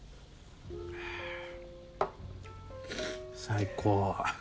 最高。